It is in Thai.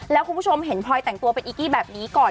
แล้วคุณผู้ชมเห็นพลอยแต่งตัวเป็นอีกกี้แบบนี้ก่อน